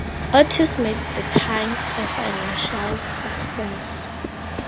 Otis made the "Times" a financial success.